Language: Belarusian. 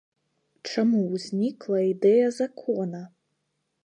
Чаму ўзнікла ідэя закона?